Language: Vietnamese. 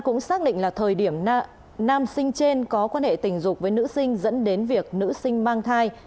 cũng xác định là thời điểm nam sinh trên có quan hệ tình dục với nữ sinh dẫn đến việc nữ sinh mang thai